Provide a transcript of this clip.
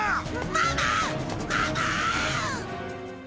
ママ！